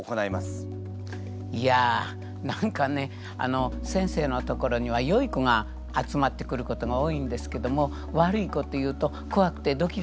いや何かね先生のところにはよい子が集まってくることが多いんですけども悪い子というとこわくてドキドキしています。